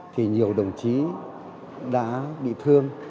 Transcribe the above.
thì nhiều đồng chí đã bị thương